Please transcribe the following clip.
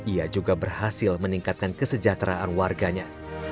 ia juga berhasil meningkatkan kesejahteraan warganya